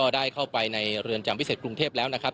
ได้เข้าไปในเรือนจำพิเศษกรุงเทพแล้วนะครับ